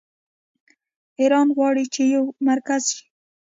ایران غواړي چې یو مرکز شي.